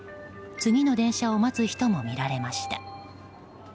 次の電車を待つ人も見られました。